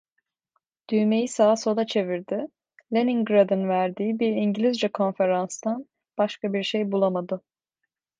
Düğmeyi sağa sola çevirdi; Leningrad'ın verdiği bir İngilizce konferanstan başka bir şey bulamadı.